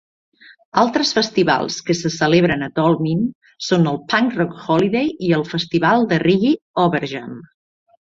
Altres festivals que se celebren a Tolmin són el Punk Rock Holiday i el festival de reggae Overjam.